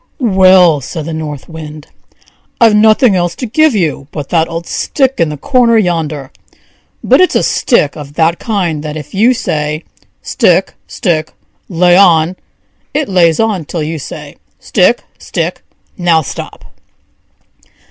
"Well!" said the North Wind; "I've nothing else to give you but that old stick in the corner yonder; but its a stick of that kind that if you say: 'Stick, stick! lay on!' it lays on till you say: 'Stick, stick! now stop!'"